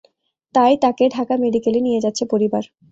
তাই তাঁকে ঢাকা মেডিকেলে নিয়ে যাচ্ছে পরিবার।